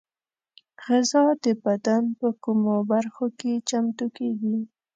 غذا د بدن په کومو برخو کې چمتو کېږي؟